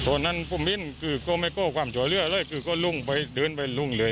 ตอนนั้นปุ่มบิ้นคือก็ไม่โคกความสวยเลือดอะไรคือก็ลุ่งไปเดินไปลุ่งเหลือย